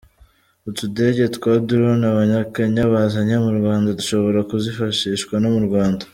Utudege twa drone abanyakenya bazanye mu Rwanda dushobora kuzifashishwa no mu Rwanda.